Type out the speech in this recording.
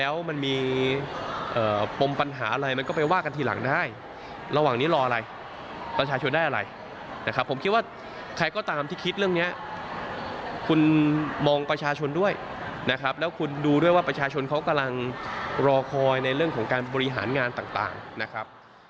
ว่าประชาชนเขากำลังรอคอยในเรื่องของการบริหารงานต่างนะครับ